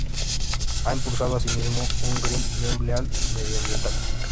Ha impulsado, asimismo, un Green New Deal medioambiental.